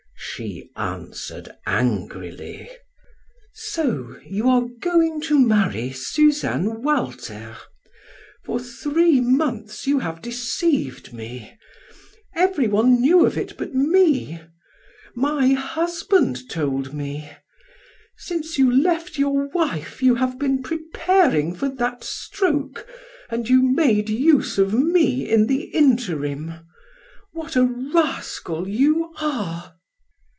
She answered angrily: "So you are going to marry Suzanne Walter? For three months you have deceived me. Everyone knew of it but me. My husband told me. Since you left your wife you have been preparing for that stroke, and you made use of me in the interim. What a rascal you are!"